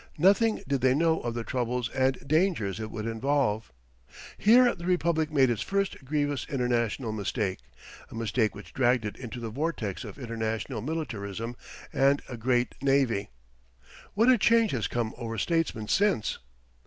Nothing did they know of the troubles and dangers it would involve. Here the Republic made its first grievous international mistake a mistake which dragged it into the vortex of international militarism and a great navy. What a change has come over statesmen since!